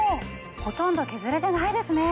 ほとんど削れてないですね。